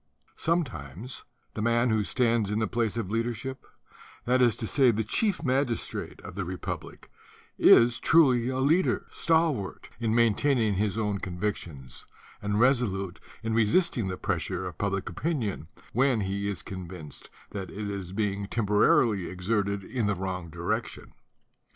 Sometimes "the man who stands in the place of leadership," that is to say, the chief magis trate of the republic, is truly a leader, stalwart in maintaining his own convictions and resolute in resisting the pressure of public opinion, when he is convinced that it is being temporarily ex erted in the wrong direction.